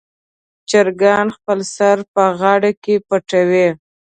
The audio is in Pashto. چرګان خپل سر په غاړه کې پټوي.